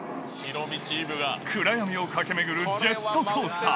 暗闇を駆け巡るジェットコースター。